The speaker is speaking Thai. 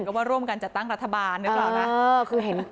ก็ว่าร่วมกันจัดตั้งรัฐบาลหรือเปล่านะ